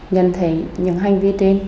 nhận thấy những hành vi trên